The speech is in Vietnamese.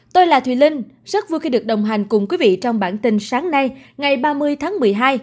tôi là thùy linh rất vui khi được đồng hành cùng quý vị trong bản tin sáng nay ngày ba mươi tháng một mươi hai